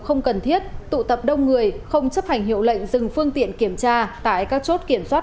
không cần thiết tụ tập đông người không chấp hành hiệu lệnh dừng phương tiện kiểm tra tại các chốt kiểm soát